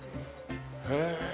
へえ。